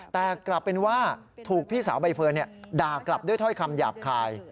แต่กลับเป็นว่าถูกพี่สาวใบเฟิร์นด่ากลับด้วยถ้อยคำหยาบคาย